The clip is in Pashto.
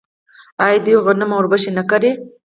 آیا دوی غنم او وربشې نه کري؟